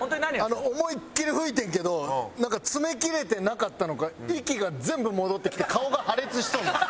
思いっきり吹いてんけどなんか詰めきれてなかったのか息が全部戻ってきて顔が破裂しそうになった。